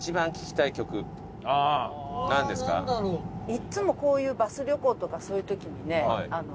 いつもこういうバス旅行とかそういう時にねあの。